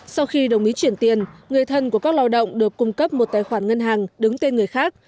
sau khi đồng ý chuyển tiền người thân của các lao động được cung cấp một tài khoản ngân hàng đứng tên người khác